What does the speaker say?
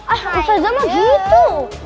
ah ustazah mau gitu